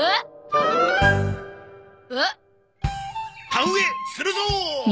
田植えするぞ！